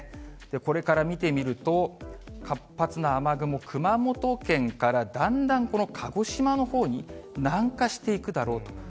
これから見てみると、活発な雨雲、熊本県からだんだんこの鹿児島のほうになんかしていくだろうと。